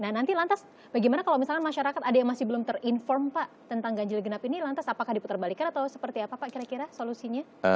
nah nanti lantas bagaimana kalau misalnya masyarakat ada yang masih belum terinform pak tentang ganjil genap ini lantas apakah diputar balikan atau seperti apa pak kira kira solusinya